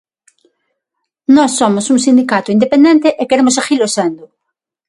Nós somos un sindicato independente e queremos seguilo sendo.